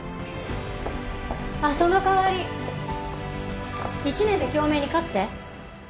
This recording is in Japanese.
あっその代わり１年で京明に勝って。